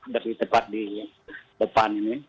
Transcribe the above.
lebih tepat di depan ini